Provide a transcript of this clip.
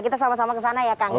kita sama sama ke sana ya kang ya